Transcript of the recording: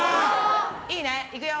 いいね、いくよ。